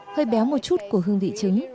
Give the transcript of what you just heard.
hơi béo một chút của hương vị trứng